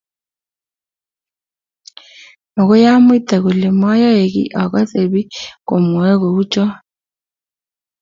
magoy amuita kole moyae kiy akase pikk komwae kuchot